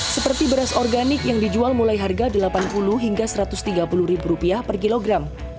seperti beras organik yang dijual mulai harga rp delapan puluh hingga rp satu ratus tiga puluh per kilogram